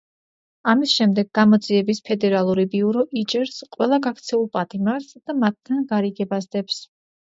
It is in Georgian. ამის შემდეგ გამოძიების ფედერალური ბიურო იჭერს ყველა გაქცეულ პატიმარს და მათთან გარიგებას დებს.